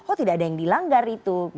kok tidak ada yang dilanggar itu